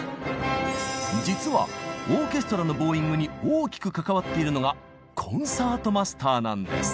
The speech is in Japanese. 実はオーケストラのボウイングに大きく関わっているのがコンサートマスターなんです。